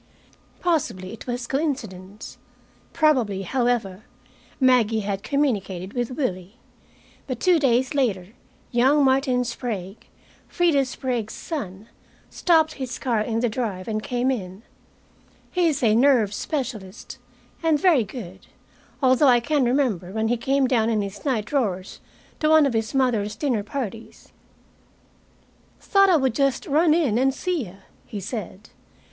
Possibly it was coincidence. Probably, however, Maggie had communicated with Willie. But two days later young Martin Sprague, Freda Sprague's son, stopped his car in the drive and came in. He is a nerve specialist, and very good, although I can remember when he came down in his night drawers to one of his mother's dinner parties. "Thought I would just run in and see you," he said.